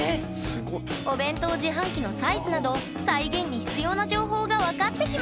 お弁当自販機のサイズなど再現に必要な情報が分かってきました